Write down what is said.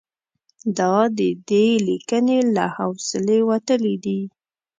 دا د دې لیکنې له حوصلې وتلي دي.